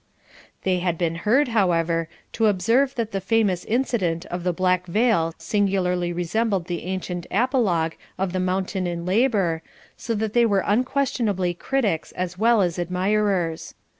They had been heard, however, to observe that the famous incident of the Black Veil singularly resembled the ancient apologue of the mountain in labour, so that they were unquestionably critics as well as admirers.